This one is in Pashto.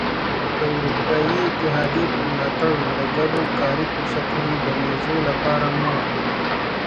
د اروپايي اتحادیې په ملاتړ د ګډو کاري فرصتونو د موضوع لپاره مو.